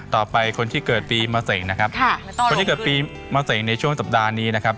ต่อไปคนที่เกิดปีเมื่อเสร็จนะครับคนที่เกิดปีเมื่อเสร็จในช่วงสัปดาห์นี้นะครับ